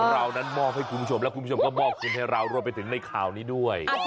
เรานั้นมอบให้คุณผู้ชมและคุณผู้ชมก็มอบคุณให้เรารวมไปถึงในข่าวนี้ด้วย